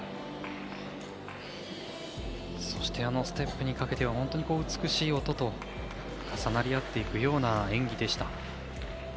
ステップにかけては本当に美しい、音と重なり合っていくような演技でした。